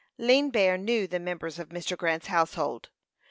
Lean Bear knew the members of Mr. Grant's household.